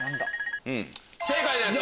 正解です。